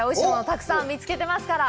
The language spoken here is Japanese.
たくさん見つけてますから。